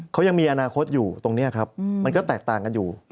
เขายังมีอนาคตอยู่ตรงนี้ครับมันก็แตกต่างกันอยู่